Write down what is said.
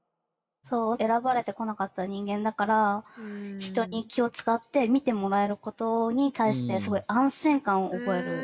選ばれてこなかった人間だから人に気を遣って見てもらえることに対してすごい安心感を覚える。